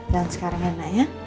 dan sekarang anaknya